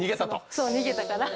そう、逃げたから。